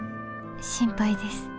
心配です。